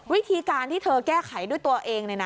วิธีการที่เธอแก้ไขด้วยตัวเอง